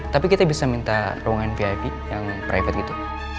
tapi kita bisa minta ruangan vip yang private gitu